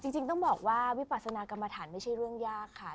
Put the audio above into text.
จริงต้องบอกว่าวิปัสนากรรมฐานไม่ใช่เรื่องยากค่ะ